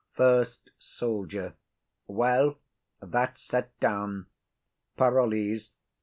FIRST SOLDIER. Well, that's set down. PAROLLES.